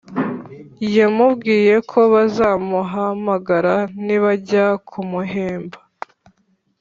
yamubwiye ko bazamuhamagara nibajya kumuhemba